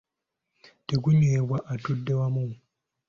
Tegunywebwa atudde wamu.